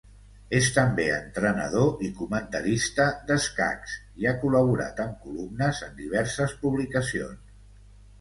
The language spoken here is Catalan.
És també entrenador i comentarista d'escacs, i ha col·laborat amb columnes en diverses publicacions.